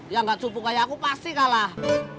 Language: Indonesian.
yang nggak cupu kayak aku pasti kalah